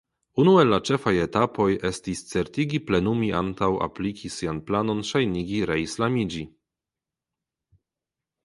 Unu el la ĉefaj etapoj estis certigi plenumi antaŭ apliki sian planon ŝajnigi reislamiĝi.